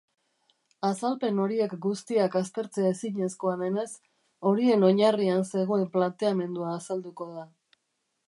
Azalpen horiek guztiak aztertzea ezinezkoa denez, horien oinarrian zegoen planteamendua azalduko da.